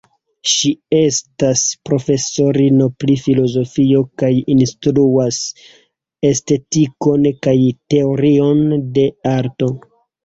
Ŝi estas profesorino pri filozofio kaj instruas estetikon kaj teorion de arto.